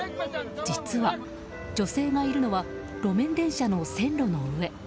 実は、女性がいるのは路面電車の線路の上。